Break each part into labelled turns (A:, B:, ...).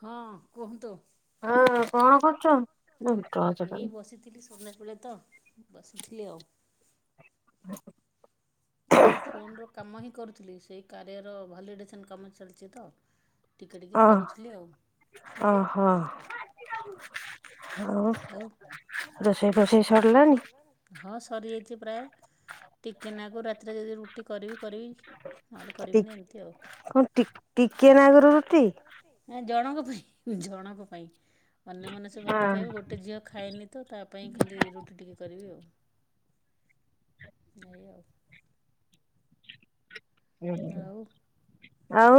A: ହଁ କୁହନ୍ତୁ?
B: କଣ କରୁଚ?
A: ଏଇ ବସିଥିଲି ସନ୍ଧ୍ୟାବେଳେ ତ ବସିଥିଲି ଆଉ।
B: ହ
A: ଏଇ ଫୋନର କାମ ହିଁ କରୁଥିଲି ସେଇ କାରିୟା ଭାଲିଡେସନ କାମ ଚାଲିଚି ତ।
B: ଅ ଓ ହୋ। ହଁ ଯେଶେ
A: ହଁ ସରିଯାଇଚି ପ୍ରାୟ ଟିକେନା କ ରାତିରେ ରୁଟି କରିବି
B: କଣ ଟି ଟିକିଏ ନାକରୁ ରୁଟି।
A: ଜଣଙ୍କ ପାଇଁ ଅନ୍ୟମାନେ ସବୁ ଭାତ ଖାଇବେ ଗୋଟେ ଝିଅ ଖାଏନି ତ ତା ଖ ରୁଟି ଟିକ କରିବି ଆଉ ନ ଆଉ।
B: ଆଉ।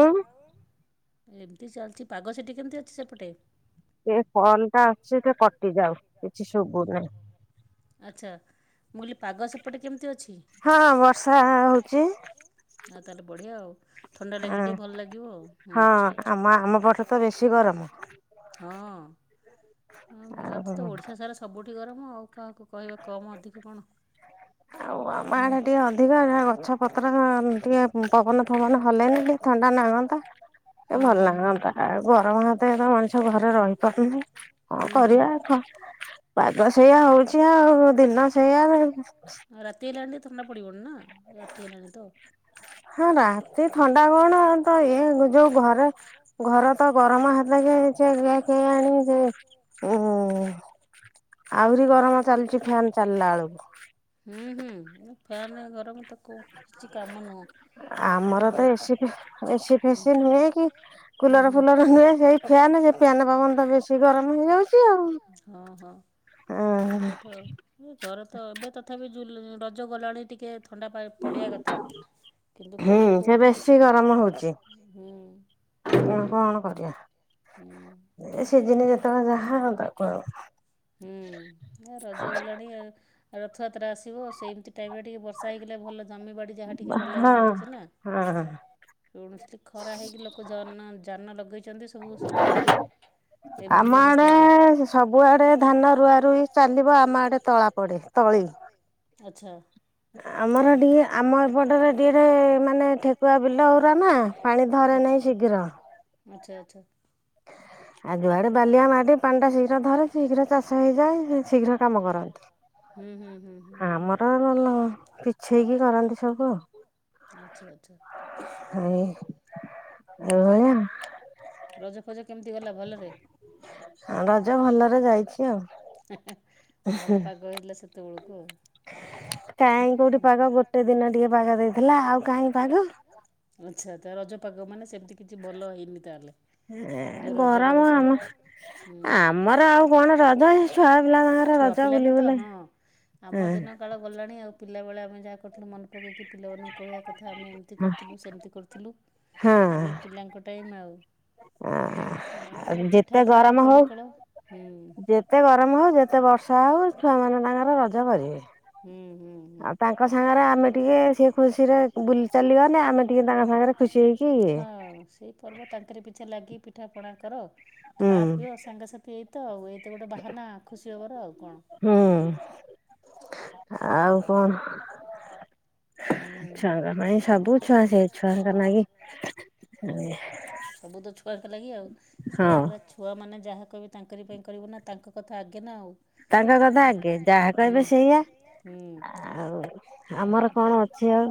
A: ଏମିତି ଚାଲିଚି ପାଗ ସେଠି କେମିତି ଅଛି ସେପଟେ
B: ଏ ଫନ ଟା ଆଚି ସେ କଟି ଯାଉଚି କିଛି ଶୁବୁନି।
A: ଆଚ୍ଛା ମୁଁ କହିଲି ପାଗ ସେପଟେ କେମତି? ତାହଲେ ବଢିଆ ଆଉ ଥଣ୍ଡା ଲାଗି
B: ହଁ ଆମ ଆମ ପଟେ ତ ବେଶୀ ଗରମ।
A: ହଁ [unintelligible] ତ ଓଡ଼ିଶା ସାରା ସବୁଠି ଗରମ ଆଉ କାହାକୁ କହିବା କମ୍ ଅଧିକ କଣ।
B: ଆଉ ଆମ ଆଡେ ଟିକେ ଅଧିକ ଗଛ ପତ୍ର ଟିକେ ପବନ ଫବନ ହଲେନି ଥଣ୍ଡା ନାଗନ୍ତା ଏ ଭଲ ଲାଗନ୍ତା ଆଉ ଗରମ ହେ ମଣିଷ ଘରେ ରହିପାରୁନି କଣ କରିବା ପାଦ ସେଇଆ ହୋଉଚି ଆଉ। ଦିନ ସେଆ
A: ରାତି ହେଲାଣି ତଥର ନା ପଡି ପଡ ନା ରାତି ଲେଣି ତ
B: ରାତି ଥଣ୍ଡା କଣ ତ ଇଏ ଯୋଉ ଘରେ ଘର ତ ଗରମ ସେ କେ ଆଣି ଯେ ଉ ଆହୁରି ଗରମ ଚାଲିଛି ଫ୍ୟାନ ଚାଲିଲା ବେଳକୁ।
A: ହୁ ହୁଁ ଫ୍ୟାନ୍ ଘର ମୋତେଁ କିଛି କାମ ନୁହଁ।
B: ଆମର ତ ଏ ସି ଏ ସି ଫେସି ନୁହେଁ କି କୁଲର ଫୁଲର ନୁହେଁ ସେଇ ପାନ ସେ ପାନ ବାବନ ତ ବେଶୀ ଗରମ ହେଇଯାଉଛି ଆଉ।
A: ସତ କଥା ଆଉ ଏ ଘରେ ତ ଏବେ ତଥାପି ରଜ ଗଲାଣି ଟିକେ ଥଣ୍ଡା ପଡ଼ିିବା କଥା। କିନ୍ତୁ କାହିଁ କୋଉଠି କିଛି ହୁଁ
B: ମୁଁ କଣ କରି
A: ହୁଁ ହୁଁ। ରଜ ଗଲାଣି ରଥଯାତ୍ରା ଆସିବ ସେମିତି ଟାଇମେ ଟିକେ ବର୍ଷା ହେଇଗଲେ ଭଲ ଜମିବାଡ଼ି ଯାହା ଟିକେଏ ଭଲ ହୁଅନ୍ତା ସିନା। ଶୁଣୁଥିଲି ଖରା ହେଇକି ଲୋକ ଜନ ଯାନ ଲଗେଇଛନ୍ତି ସବୁ ଶୁଖିଗଲାଣି।
B: ଆମ ଆଡେ ସବୁଆଡେ ଧାନ ରୁଆ ରଇ ଚାଲି ଚାନ୍ଦିବ ଆମ ଆଡେ ତଳା ପଡେ ତଳି
A: ଆଚ୍ଛା।
B: ଆମର ଆମ ଏପଟରେ ଟ ମାନେ ଠେକୁଆ ବିଲ ଉରା ନା ପାଣି ଧ [unintelligible] ଶୀଘ୍ର
A: ଆଚ୍ଛା ଆଚ୍ଛା।
B: ଆ ଯୁଆଡେ ବାଲିଆ ମାଡି ପାଣି ଟା ଶୀଘ୍ର ଧରେ ଶୀଘ୍ର ଚାଷ ହେଇଯାଏ ଶୀଘ୍ର କାମ କରନ୍ତି। ଆମର ପିଛେଇକି କରନ୍ତି ସବୁ ଆଉ।
A: ଆଚ୍ଛା ଆଚ୍ଛା।
B: ହ ଆ
A: ରଜ ଫଜ କେମିତି ଗଲା ଭଲରେ?
B: ଭଲରେ ଯାଇ
A: ଭଲ ପାଗ ହେଥିଲା ସେତେବେଳକୁ ଆଉ।
B: କାହିଁ କୋଉଠି ପାଗ ଗୋଟେ ଦିନ ଟିକେ ପାଗ ଦେଇଥିଲା ଆଉ କାହିଁକି ପାଗ
A: ଆଚ୍ଛା ତା ରଜପାଗ ମାନେ ସେମିତି କିଛି ଭଲ ହେଇନି ତାହେଲେ।
B: ଗରମ ଆମ ଆମର ଆଉ କଣ ର
A: ଛୁଆ ପିଲାଙ୍କ ତ ହଁ ଆମ ଦିନ କାଳେ ଗଲାଣି ଆଉ। ପିଲାବେଳେ ଆମେ ଯାହା କର କରିଥିଲୁ ମନେକେଇକି ପିଲାମାନଙ୍କୁ କହିବା କଥା ଆମେ ଏମିତି କରିୁଥିଲୁ ସେମିତି କରିୁଥିଲୁ ଏବେ ପିଲାଙ୍କ ଟାଇମ୍ ଆଉ। ନାଇଁ ର ପିଠା ଖାଅ ଦୋଡିଖେଳ ହୁଁ।
B: ଏତେ ଗରମ ହଉ ଯେତେ ବର୍ଷା ହଉ ଛୁଆ ମାନ ତାଙ୍କର ରଜ କରିବେ। ଆଉ ତାଙ୍କ ସାଙ୍ଗରେ ଆମେ ଟିକେ ସେ ଖୁସିରେ ବୁଲି ଚାଲିଗଲେ ଆମେ ଟିକେ ତାଙ୍କ ସାଙ୍ଗରେ ଖୁସି ହେଇ
A: ହଁ, ସେଇ ପର୍ବ ତାଙ୍କରେ ପିଛା ଲାଗି ପି ପିଠାପଣା କର ଖା ପିଅ ସାଙ୍ଗସାଥି ଏଇତ ଆଉ ଏଇତ ଗୋଟେ ବାହାନା ଖୁସି ହେବାର ଆଉ।
B: ହୁଁ ଆଉ କଣ? ଛୁଆଙ୍କ ପାଇଁ ସବୁ ଛୁଆ ସେ ଛୁଆଙ୍କ ନାଗି
A: ସବୁ ତ ଛୁଆଙ୍କ ଲାଗି ଆଉ ସେଇଆ ପୁରା ଛୁଆ ମାନେ ଯାହା କହିବି ତାଙ୍କରି ପାଇଁ କରିବୁ ନା ତାଙ୍କ କଥା ଆଗେ ନା ଆଉ।
B: ତାଙ୍କ କଥା ଆଗେ ଯାହା କହିବେ ସେଇଆ ଆଉ ଆମର କଣ ଅଛି ଆଉ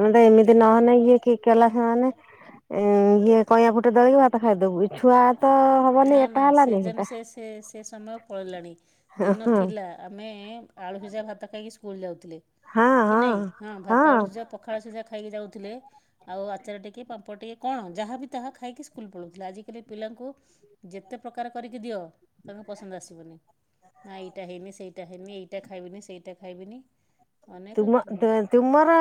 B: ଆମେ ତ ଏମିତି ନହେଲେ ଇଏ କି କଲା ସେମାନେ ଉଁ ଇଏ କଇଁଆ ଫୁଟେ ଦଳିକି ଭାତ ଖାଇଦବୁ। ଛୁଆ ତ ହବନି ଏଟା ହେଲାନି ସେଟା
A: ସେ ସମୟ ପଳିଲାଣି ଦିନ ଥିଲା ଆମେ ଆଳୁ ଭିଜା, ଭାତ ଖାଇକି ସ୍କୁଲ ଯାଉଥିଲେ। କି ନାହିଁ। ହଁ, ଭାତ ଆଳୁ ସୁଝା ପଖାଳ ସୁଝା ଖାଇକି ଯାଉ ଥିଲେ ଆଉ ଆଚାର ଟିକେ ପାମ୍ପଡ଼ ଟିକେ କଣ ଯାହାବି ତାହା ଖାଇକି ସ୍କୁଲ ପଳଉଥିଲେ ଆଜିକାଲି ପିଲାଙ୍କୁ ଯେତେ ପ୍ରକାର କରିକି ଦିଅ ତାଙ୍କୁ ପସନ୍ଦ ଆସିବନି। ନା ଏଇଟା ହେଇନି ସେଇଟା ହେଇନି ଏଇଟା ଖାଇବିନି ସେଇଟା ଖାଇବିନି।
B: ତୁମ ତୁମର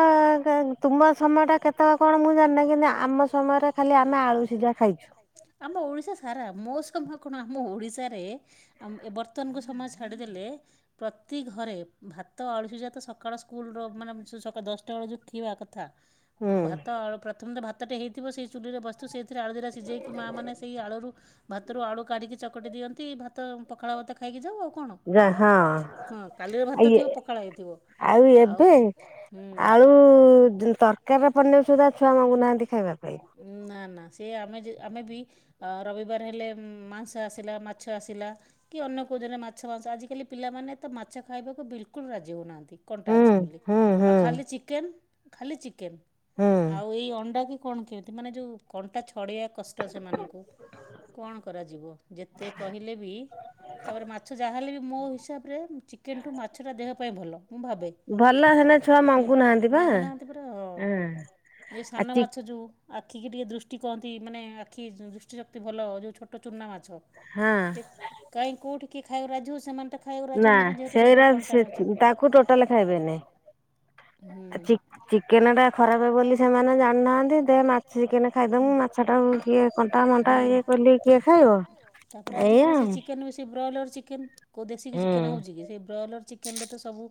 B: ତୁମ ସମୟ ଟା କେତେବେଳେ କଣ ମୁଁ ଜାଣିନି କିନ୍ତୁ ଆମ ସମୟରେ ଖାଲି ଆମେ ଆଳୁ ସିଝା ଖାଇଛୁ।
A: ମୋ ସଭା କଣ ଆମ ଓଡ଼ିଶାରେ ଆମ ଏ ବର୍ତ୍ତମାନକୁ ସମୟ ଛାଡିଦେଲେ ପ୍ରତି ଘରେ ଭାତ ଆଳୁସିଝା ତ ସକାଳ ସ୍କୁଲ ର ମାନେ ସକାଳ ଦଶଟା ବେଳେ ଯୋଉ କିବା କଥା ଭାତ ଆଳୁ ପ୍ରଥମେ ତ ଭାତ ଭାତ ଟେ ହେଇଥିବ ସେଇ ଚୁଲିର ବସ୍ତୁ ସେ ସେଥିରେ ଆଳୁ ଦିଟା ସିଝେଇକି ମାଆ ମାନେ ସେଇ ଆଳୁରୁ ଭାତରୁ ଆଳୁ କାଢିକି ଚକଟି ଦିଅନ୍ତି। ଭାତ ପଖାଳ ମତେ ଖାଇ ହେଇଯାଉ ଆଉ କଣ। ହଁ, କାଲିର ଭାତ ଥିବ ପଖାଳ ହେଇଥିବ ଆଉ
B: ଆଳୁ ତରକାରୀରେ ପଡ଼ିନେ ସୁଧା ଛୁଆ ମଙ୍ଗୁ ନାହାନ୍ତି ଖାଇବା ପାଇଁ।
A: ସେ ଆମେ ଯେ ଆମେ ବି ରବିବାର ହେଲେ ମାଂସ ଆସିଲା, ମାଛ ଆସିଲା କି ଅନ୍ୟ କଉ ଯଉଦିନ ମାଛ ମାଉଁସ ଆଜିକାଲି ପିଲାମାନେ ତ ମାଛ ଖାଇବାକୁ ବିଲକୁଲ ରାଜି ହଉନାହାନ୍ତି। କଣ୍ଟା ଅଛି ବୋଲି ଆଉ ଖାଲି ଚିକେନ ଖାଲି ଚିକେନ ଆଉ ଏଇ ଅଣ୍ଡା କି କଣ କେମିତି ମାନେ ଯୋଉ କଣ୍ଟା ଛଡେଇବା କଷ୍ଟ ସେମାନଙ୍କୁ। କଣ କରାଯିବ? ଯେତେ କହିଲେ ବି ତାପରେ ମାଛ ଯାହାହେଲେ ବି ମୋ ହିସାବରେ ଚିକେନ ଠୁ ମାଛଟା ଦେହ ପାଇଁ ଭଲ ମୁଁ ଭାବେ।
B: ନା ଛୁଆ ମଙ୍ଗୁ ନାହାନ୍ତି ବା। ଉଁ
A: ଏ ସାନ ମାଛ ଯୋଉ ଆଖିକି ଟିକେ ଦୃଷ୍ଟି କହନ୍ତି ମାନେ ଆଖି ଦୃଷ୍ଟିଶକ୍ତି ଭଲ ଯଉ ଛୋଟ ଚୁନା ମାଛ କାଇଁ କୋଉଠିି କିଏ ଖାଇବାକୁ ରାଜି ହଉଛି ସେମାନେ
B: ନା ସେଇରା ସେ ତାକୁ ଟୋଟାଲ ଖାଇବେନି। ଚି ଚିକେନ୍ ଟା ଖରାପ୍ ବୋଲି ସେମାନେ ଜାଣିନାହାନ୍ତି ଦେ ମା ଚିକେନ୍ ଖାଇଦବୁ ମାଛଟାକୁ କିଏ କଣ୍ଟା ମଣ୍ଟା ଇଏ ଖୋଲିକି କିଏ ଖାଇବ?
A: ତାପରେ ଆଜି କାଲି ସେ ଚିକେନ୍ ବେଶି ବ୍ରଏଲର ଚିକେନ କଉ ଦେଶୀ କି ଚିକେନ ହଉଛି କି ସେ ବ୍ରଏଲର ଚିକେନରେ ତ ସବୁ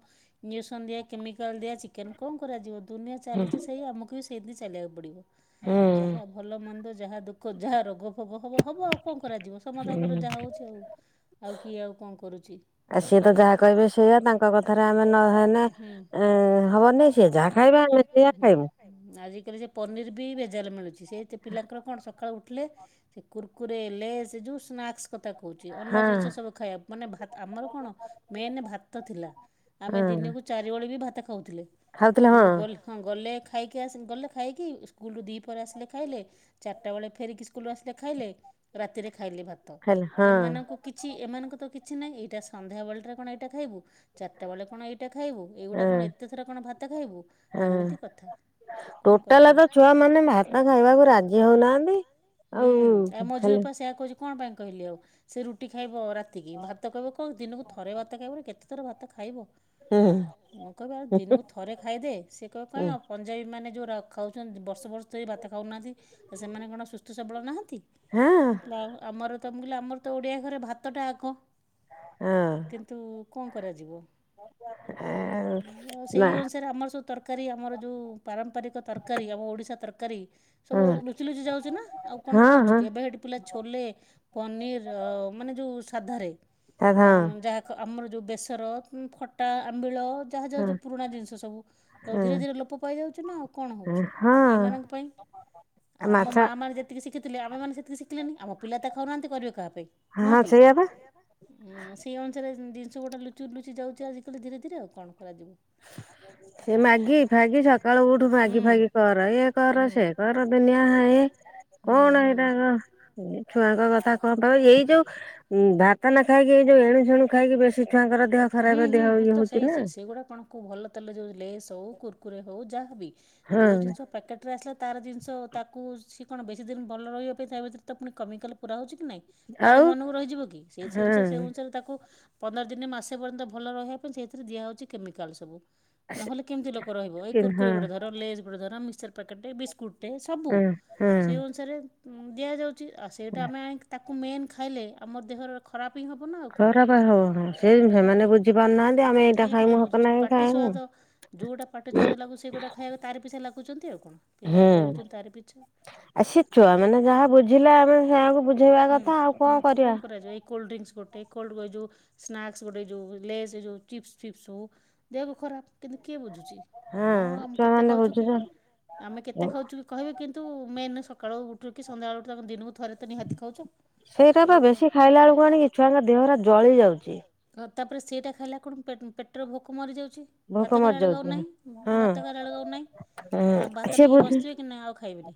A: ଇଞ୍ଜେକ୍ସନ୍ ଦିଆ କେମିକାଲ୍ ଦିଆ ଚିକେନ୍ କଣ କରାଯିବ ଦୁନିଆ ଚାଲିଛି ସେଇଆ ଆମକୁ ବି ସେମିତି ଚାଲିବାକୁ ପଡ଼ିବ। ଯାହା ଭଲ ମନ୍ଦ, ଯାହା ଦୁଃଖ, ଯାହା ରୋଗ ହବ ହବ ହବ ଆଉ କଣ କରାଯିବ ସମସ୍ତ ଆଗରୁ ଯାହା ହଉଛି ଆଉ ଆଉ କିଏ ଆଉ କଣ କରୁଛି। ଆଉ ସିଏ ତ ଯାହା କହିବେ ସେଇଆ ତାଙ୍କ କଥାରେ ଆମେ ନ ହୁଁ ହବନି ସିଏ ଯାହା ଖାଇ ହୁଁ ଆଜିକାଲି ସେ ପନିର ବି ଭେଜାଲ୍ ମିଳୁଛି ସେଇଥି ପିଲାଙ୍କର କଣ ସକାଳ ଉ ଠିଲେ କୁରକୁରେ, ଲେଜ୍ ସେ ଯୋଉ ସ୍ନାକ୍ସ କଥା କହୁଚି ଅନ୍ୟ ଜିନିଷ ସବୁ ଖାଇବା ମାନେ ଭାତ ଆମର କଣ ମେନ୍ ଭାତ ଥିଲା। ଆମେ ଦିନକୁ ଚାରିଓଳି ବି ଭାତ ଖାଉଥିଲେ ସ୍କୁଲ୍ ଗଲେ ଗଲେ ଖାଇକି ଆସି ଗଲେ ଖାଇକି ସ୍କୁଲୁ ରୁ ଦି ପହରେ ଆସିଲେ ଖାଇଲେ ଚାରିଟା ବେଳେ ଫେରିକି ସ୍କୁଲୁ ରୁ ଆସିଲେ ଖାଇ ରାତିରେ ଖାଇଲେ ଭାତ ଏମାନଙ୍କୁ କିଛି ଏମାନଙ୍କୁ ତ କିଛି ନାହିଁ ଏଇଟା ସନ୍ଧ୍ୟାବେଳଟାରେ କଣ ଏଇଟା ଖାଇବୁ ଚାରିଟା ବେଳେ କଣ ଏଇ ଏଟା ଖାଇବୁ ଏଇଗୁଡା କଣ ଏତେ ଥର କଣ ଭାତ ଖାଇବୁ ଏମିତି କଥା। କଣ କରାଯିବ ଛୁଆ ମାନେ ଭାତ ଖାଇବାକୁ ରାଜି ହଉନାହାନ୍ତି। ହୁଁ ଆଉ ମୋ ଝିଅ ପା ସେୟା କହୁଛି। କଣ ପାଇଁ କହିଲି ଆଉ ସେ ରୁଟି ଖାଇବ ରାତିକି ଭାତ କହିବ କି ଦିନକୁ ଥରେ ଭାତ ଖାଇବ ନା କେତେ ଥର ଭାତ ଖାଇବ। ମୁଁ କହିବି ଆଉ ଦିନକୁ ଥରେ ଖାଇଦେ ସିଏ କହିବ କାଇଁ ଆଉ ପଞ୍ଜାବୀ ମାନେ ଯୋଉ ଖାଉଛନ୍ତି ବର୍ଷ ବର୍ଷ ଭାତ ଖାଉନାହାନ୍ତି ସେମାନେ କଣ ସୁସ୍ଥ ସବଳ ନାହାନ୍ତି ଆଉ ଆମର ତ ମୁଁ କହିଲି ଆମର ତ ଓଡ଼ିଆ ଘରେ ଭାତ ଟା ଆଗ।
B: ହଁ।
A: କଣ କରାଯିବ ସେଇ ଅନୁସାରେ ଆମର ସବୁ ତରକାରୀ ଆମର ଯୋଉ ପାରମ୍ପରିକ ତରକାରୀ ଆମ ଓଡ଼ିଶା ତରକାରୀ ସବୁ ଲୁଚି ଲୁଚି ଯାଉଛି ନା ଆଉ କଣ ଖାଉଛି କି ଏବେ ହେଠି ପିଲା ଛୋଲେ, ପନିର ମାନେ ଯଉ ସାଧାରେ ଯାହା ଆମର ଯଉ ବେସର ଖଟା ଆମ୍ବିଳ ଯାହା ଯାହା ଯୋଉ ପୁରୁଣା ଜିନିଷ ସବୁ ଆଉ ଧୀରେ ଧୀରେ ଲୋପ ପାଇଯାଉଛି ନା ଆଉ କଣ ହେଉଛି ଏଇମାନଙ୍କ ପାଇଁ ଆମ ମା ମାନେ ଯେତିକି ଶିଖିଥିଲେ ଆମେମାନେ ସେତିକି ଶିଖିଲେନି। ଆମ ପିଲା ତ ଖାଉନାହାନ୍ତି କରିବ କାହା ପାଇଁ ନୁହଁ କି ସେଇ ଅନୁସାରେ ଜିନିଷ ଗୁଟା ଲୁଚୁ ଲୁଚି ଯାଉଛି ଆଜିକାଲି ଧୀରେ ଧୀରେ ଆଉ କଣ କରାଯିବ।
B: [inaudible] ସେ ମ୍ୟାଗି ଫ୍ୟାଗି ସକାଳୁ ଉଠୁ ମ୍ୟାଗି ଫ୍ୟାଗି କର ଏ କର ସେ କର ଦୁନିଆ ଇଏ। କଣ ଏଇଟା ଙ୍କ ଛୁଆ ହଁ ପା ଏଇ ଯୋଉ ଭାତ ନ ଖାଇକି ଏଇ ଯୋଉ ଏଣୁ ସେଣୁ ଖାଇକି ବେଶୀ ଛୁଆଙ୍କର ଦେହ ଖରାପ ଦେହ ହଉଛି।
A: ମୁଁ ତ ସେଇ [unintelligible] ସେଇଗୁଡ଼ା କଣ? କୋଉ ଭଲ ତେଲ ଯୋଉ ଲେସ୍ ହଉ କୁର୍କୁରେ ହଉ ଯାହାବି ଯୋଉ ଜିନିଷ ପ୍ୟାକେଟ୍ ରେ ଆସିଲା ତାର ଜିନିଷ ତାକୁ ସିଏ କଣ ବେଶୀ ଦିନ ଭଲ ରହିବା ପାଇଁ ଥା ଭିତରେ ପୁଣି କେମିକାଲ୍ ପୁରା ହେଉଛି କି ନାହିଁ। ନହେଲେ ମନକୁ ରହିଯିବ କି ସେ ସେ ଅନୁସାରେ ତାକୁ ପନ୍ଦର ଦିନ ମାସେ ପର୍ଯ୍ୟନ୍ତ ଭଲ ରହିବା ପାଇଁ ସେଇଥିରେ ଦିଆହଉଛି କେମିକାଲ୍ ସବୁ। ନହେଲେ କେମିତି ଲୋକ ରହିବ ଏଇ କୁର୍କୁରେ ଗୋଟେ ଧର ଲେସ୍ ଗୋଟେ ଧର ମିକ୍ସଚର୍ ପ୍ୟାକେଟ୍ ବିସ୍କୁଟ ଗୋଟେ ସବୁ ସେଇ ଅନୁସାରେ ଦିଆଯାଉଛି ଆଉ ସେଇଟା ଆମେ କୁ ମେନ୍ ଖାଇଲେ ଆମର ଦେହ ଖରାପ୍
B: ଖରାପ ହଉ ସେଇ ସେମାନେ ବୁଝିପାରୁନାହାନ୍ତି ଆମେ ଏଇଟା ଖାଇମୁ ହକ ନାକେ ଖାଇମୁ।
A: ଯୋଉଟା ପାଟି ସୁଆଦ ଲାଗୁଛି ସେ ଗୋଟା ଖାଇବାକୁ ତାରି ପିସା ଲାଗୁ [unintelligible] ପିଲା ଦଉଡୁଛନ୍ତି ତାରି ପିଛା
B: ବୁଝେଇବା କଥା ଆଉ କଣ କରିବା।
A: କୋଲ୍ଡଡ୍ରିଙ୍କିସ୍ ଗୋଟେ କୋଲ୍ଡ ଯୋଉ ସ୍ନାକ୍ସ୍ ଗୋଟେ ଯୋଉ ଲେସ୍ ଯେଉଁ ଚିପ୍ସ ଫିପ୍ସ ହେଉ ଦେହକୁ ଖରାପ କିନ୍ତୁ କିଏ ବୁଝୁଛି ହଁ ଆମ କେତେ ଖାଉଛୁ କି ଆମେ କେତେ ଖାଉଛୁ କି କହିବେ କି କିନ୍ତୁ ମେନ୍ ସକାଳୁ ଉଠୁ କି ସନ୍ଧ୍ୟାବେଳ ଉଠିଲ ତାଙ୍କ ଦିନକୁ ଥରେ ତ ନି ଖାଉଛୁ ଏଇ ତାପରେ ସେଇଟା ଖାଇଲା କଣ ପେଟ ପେଟରେ ଭୋକ ମରିଯାଉଛି ଛି ଭାତ ଖାଇଲା ବେଳକୁ ଆଉ ନାହିଁ ଭାତ ଖାଇଲା ବେଳକୁ ଆଉ ନାହିଁ। ଆଉ ଭାତ ଟିକେ ବସିିଥିବ କି ନାଇଁ ଆଉ ଖାଇବିନି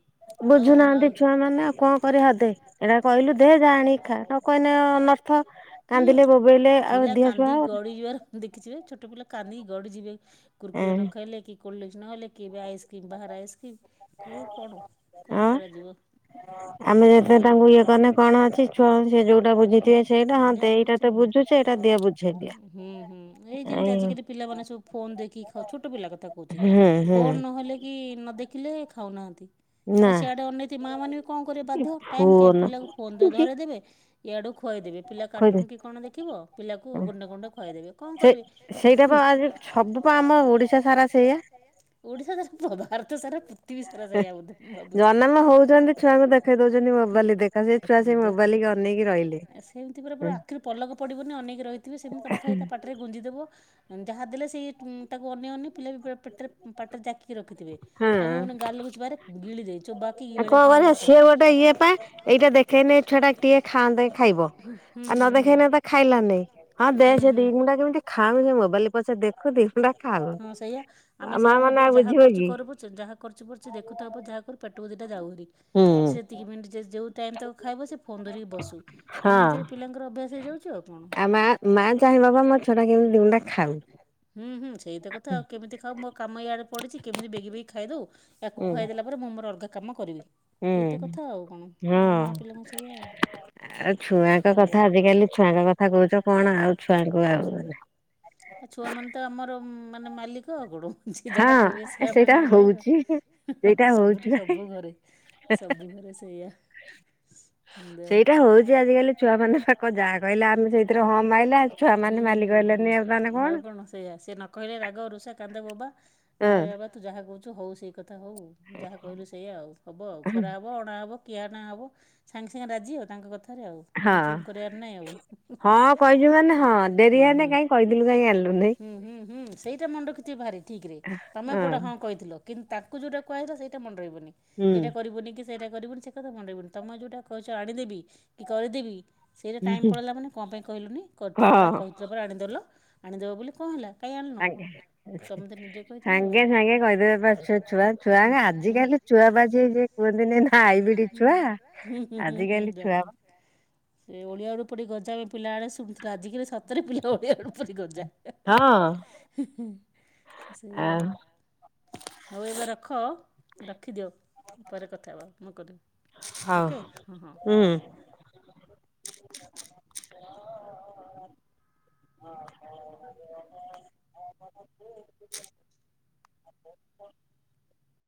B: ବୁଝୁନାହାନ୍ତି ଛୁଆ ମାନେ ଆଉ କଣ କରିବା ଦେ ଏଟା କହିଲୁ ଦେ ଜା ଆଣିକି ଖା ନ କହିନେ ଅନର୍ଥ କାନ୍ଦିଲେ ବୋବେଇଲେ ଆଉ ଦିହସୁଆ
A: ଆର ଦେଖିଥିବେ ଛୋଟ ପିଲା କାନ୍ଦିକି ଗଡିଯିବେ କୂର୍କୁରି ନ ଖାଇଲେ କି କୋଲଡରିଂସ୍ ନହେଲେ କିବେ ଆଇସ୍କ୍ରିମ୍ ବାହାର ଆଇସ୍କ୍ରିମ୍ କଉ କଣ କଣ କରାଯିବ
B: ଆମେ ଯେତେବେଳେ ତାଙ୍କୁ ଇଏ କନେ କଣ ଅଛି ଛୁଆ ସେ ଯୋଉଟା ବୁଝିଥିବେ ସେଇଟା ହଁ ଦେ ଏଇଟା ତ ବୁଝୁଛି ଏଇଟା ଦିଅ ବୁଝେଇଦିଅ।
A: ହୁଁ ହୁଁ ଏଇ ଯେମତି ଆଜିକାଲି ପିଲାମାନେ ସବୁ ଫୋନ ଦେଖିକି ଖାଉ ଛୋଟ ପିଲା କଥା କହୁଛି ଫୋନ ନହେ ନ ହେଲେ ନଦେଖିଲେ ଖାଉନାହାନ୍ତି ଆଉ ସେଇଆଡ଼େ ଅନେଇଥିବେ ମା ମାନେ ବି କଣ କରିବେ ବାଧ୍ୟ ଟାଇମ କାଇଁ ପିଲାକୁ ଫୋନ ଦେ ଧରିଦବେ ଇଆଡୁ ଖୁଆଇଦେବେ ପିଲା କାର୍ଟୁନ କି କଣ ଦେଖିବ ପିଲାକୁ ଗୁଣ୍ଡେ ଗୁଣ୍ଡେ ଖୁଆଇଦେବେ କଣ କରିବେ
B: ପା ଆମ ଓଡିଶା ସାରା ସେଇଆ
A: ଓଡ଼ିଶା ସାର ବ ଭାରତ ସାରା ଥିବୀ ସାରା ସେୟା ହୋଉଥିବ ମୁଁ ଭାବୁଚି।
B: ସେ ସେ ଛୁଆ ସେ ମୋାବାଇଲ କି ଅନେଇକି ରହି
A: ସେମିତି ପୁରା ପୁରା ଆଖିରେ ପଲକ ପଡିବନି ଅନେକି ରହିଥିବେ ସେମିତି ତମେ ଖାଲି ତା ପାଟିରେ ଗୁଞ୍ଜି ଦବ ଯାହା ଦେଲେ ସେଇ ଉଁ ତାକୁ ଅନେଇ ଅନେଇ ପିଲା ବେ ପଟେରେ ପ ପାଟିରେ ଜାକି ରଖିଥିବେ ତାଙ୍କମାନ ଗାଲ କୁ ଚିପି ଆରେ ଗିଳି ଦେ
B: ଆଉ କଣ କରବ ସିଏ ଗୋଟେ ଇଏ ପା ଏଇଟା ଦେଖେଇନେ ଛୁଆ ଟା ଟିକେ ଖାଆନ୍ତା କି ଖାଇବ ଆଉ ନ ଦେଖେଇନେ ତ ଖାଇଲା ନେଇ ହଁ ଦେ ସେ ସେ ଦି ଗୁଣ୍ଡା କେମିତି ଖାଉ ସେ ମୋବାଇଲ ପଛେ ଦେଖୁ ଦି ଗୁଣ୍ଡା ଖାଉ ମା ମାନେ ଆଉ ବୁଝିବେ
A: କରୁଚି କରୁ ପଛେ ଯାହା କରୁଚି କରିଛି ଦେଖୁ ଥାଉ ଯାହା କରୁ ପେଟ କୁ ଦିଟା ଯାଉହେରି ସେତିକି ମାନେ ଯେ ଯୋଉ ଟାଇମ୍ ତାକୁ ଖାଇବ ସେ ଫୋନ୍ ଧରିକି ବସୁ ଏମିତିରେ ପିଲାଙ୍କର ଅଭ୍ୟାସ ହେଇଯାଉଛି ଆଉ କଣ
B: ମା ଚାହିଁବା ବା ମୋ ଛୁଟା କେମିତି ଦି ଗୁଣ୍ଡା ଖାଉ
A: ହୁଁ ହୁଁ ସେଇତ କଥା ଆଉ କେମିତି ଖାଉ ମୋ କାମ ଇଆଡେ ପଡିଛି କେମିତି ବେଗି ବଗି ଖାଇଦଉ ୟାକୁ ଖୁାଇଦେଲା ପରେ ମୁଁ ମୋର ଅଲଗା କାମ କରିବି ଏଇତ କଥା ଆଉ କଣ ମା ମା ପିଲାଙ୍କ ସେଇ ଆଉ
B: ଆଉ ଛୁଆଙ୍କ କଥା ଆଜି କାଲି ଛୁଆଙ୍କ କଥା କହୁଛ କଣ ଆଉ ଛୁଆଙ୍କୁ ଆଉ ମେ
A: ଆ ଛୁଆ ମାନେ ତ ଆମର ମାନେ ମାଲିକ ଆଉ କଣ ଯିଏ ଯାହା କହିବେ ସେୟା ମାନିକି ରହିବ ସବୁଠି ସବୁ ଘରେ ସବୁ ଘରେ ସେ ସେଇଆ
B: [unintelligible] ସେଇଟା ହଉଛି ଆଜି କାଲି ଛୁଆ ମାନେ ତାଙ୍କ ଯାହା କହିଲେ ଆମେ ସେଇଥିରେ ହଁ ମାରଲେ ଛୁଆ ମାନେ ମାଲିକ
A: ହୁଁ ହୁଁ ହଉ କଣ ସେଇଆ ସେ ନ କହିଲେ ରାଗ ରୁଷା କାନ୍ଦ ବୋବା ନାଇଁରେ ବାବା ତୁ ଯାହା କହୁଛୁ ହଉ ସେଇ କଥା ତ ହଉ ଯାହା କହିଲୁ ସେଇଆ ଆଉ ହେବ ଆଉ କରାହେବ ଅଣାହେବ ଣା ହବ ସାଙ୍ଗେ ସାଙ୍ଗେ ରାଜି ହଉ ତାଙ୍କ କଥା ରେ ଆଉ ଉଁନୁ ଚୁଁ କରିବାର ନାଇଁ ଆଉ ହ୍ନୁ ହ୍ନୁ। ହୁଁ ହୁଁ ହୁଁ। ସେଇଟା ମନେଖିଥିବ ଭାରି ଠିକ ରେ ତମେ କଉଟ ହଁ କହିଥିଲ କିନ୍ତୁ ତାଙ୍କୁ ଯୋଉଟା କୁହାଯଥିଲା ସେଇଟା ମେନ ରହିବନି। ଏଇଟା କରିବୁନି କି ସେଇଟା କରିବୁନି ସେ କଥା ମନେରହିବନି ତମ ଯଉଟା କହିଛ ଆଣିଦେବି କି କରିଦେବି ସେଇଟା ଟାଇମ ପଳେଇିଲା ମାନେ କଣ ପାଇଁ କହିଲୁନି କରିଥିଲ ପରା କହିଥିଲ ପରା ଆଣିଦେଲ ଆଣିଦେବ ବୋଲି କଣ ହେଲା
B: ସାଙ୍ଗେ ସାଙ୍ଗେ ସାଙ୍ଗେ କହିଦେବେ ପା ସେ ଛ ଛୁଆ ଛୁଆ ଆଜିିକାଲି ଛୁଆ ବାଜି ଯ କୁହନ୍ତିନି ନା ଆଇ ବିିଡି ଛୁଆ ଆଜି କାଲି ଛୁଆ
A: ସେ ଓଳିଆଳିରୁ ପଡି ଗଜା ପିଲା ଅଳେ ଶୁଣିଥିଲ ଆଜିକାଲି ସତରେ ପିଲା ଓଳିଆରୁ ଉପରି ଗଜା ହେ ହେ ହେ ହେ ହେ। ସେଇଆ ହଉ ଏବେ ରଖ ରଖିଦିଅ। ପରେ କଥା ହେବା ମୁଁ କରିବି ଓକେ ହଁ ହଁ।
B: ହ ହଁ [inaudible]